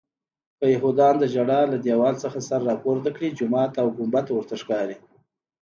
که یهودیان د ژړا دیوال نه سر راپورته کړي جومات او ګنبده ورته ښکاري.